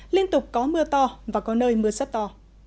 liên tục có mưa to và có nơi mưa rất to